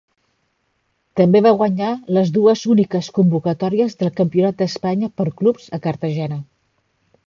També va guanyar les dues úniques convocatòries del Campionat d’Espanya per clubs a Cartagena.